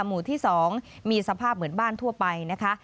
หมู่ที่๒มีสภาพเหมือนบ้านทั่วไปนะคะ